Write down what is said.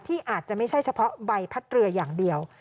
อาจจะไม่ใช่เฉพาะใบพัดเรืออย่างเดียว